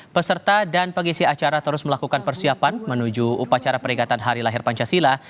peserta dan pengisi acara terus melakukan persiapan menuju upacara peringatan hari lahir pancasila